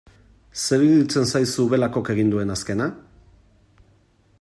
Zer iruditzen zaizu Belakok egin duen azkena?